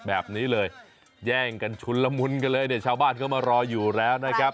แบบนี้เลยแย่งกันชุนละมุนกันเลยเนี่ยชาวบ้านเขามารออยู่แล้วนะครับ